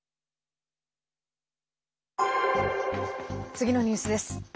次のニュースです。